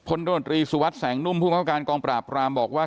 โดนตรีสุวัสดิแสงนุ่มผู้ประการกองปราบรามบอกว่า